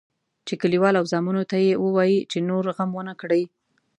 چې کلیوال او زامنو ته یې ووایي چې نور غم ونه کړي.